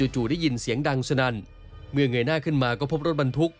จู่ได้ยินเสียงดังสนั่นเมื่อเงยหน้าขึ้นมาก็พบรถบรรทุก